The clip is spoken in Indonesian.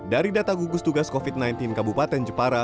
dari data gugus tugas covid sembilan belas kabupaten jepara